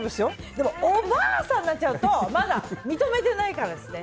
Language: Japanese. でも、おばあさんになっちゃうとまだ認めてないからですね。